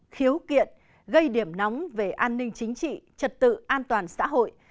khiếu kiện gây điểm nóng về an ninh chính trị trật tự an toàn xã hội